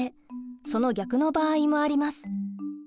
その逆の場合もあります。